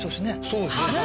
そうですね。